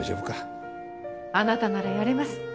あなたならやれます。